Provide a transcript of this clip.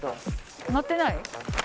載ってない？